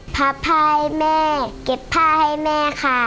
พับผ้าให้แม่เก็บผ้าให้แม่ค่ะ